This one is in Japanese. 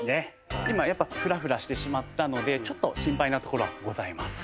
今やっぱフラフラしてしまったのでちょっと心配なところはございます。